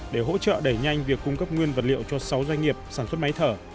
để hỗ trợ đẩy nhanh việc cung cấp nguyên vật liệu cho sáu doanh nghiệp sản xuất máy thở